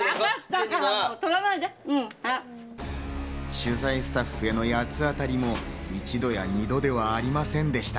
取材スタッフへの八つ当たりも１度や２度ではありませんでした。